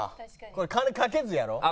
これ金賭けずやろう。